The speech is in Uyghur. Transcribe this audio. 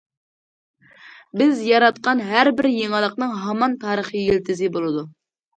بىز ياراتقان ھەر بىر يېڭىلىقنىڭ ھامان تارىخىي يىلتىزى بولىدۇ.